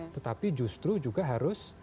tetapi justru juga harus